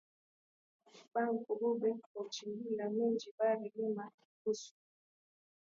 Ba nkuku beko na chimbula minji bari rima busubui